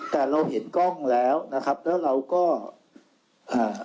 แต่เราเห็นกล้องแล้วนะครับแล้วเราก็อ่า